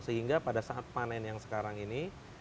sehingga pada saat panen yang sekarang ini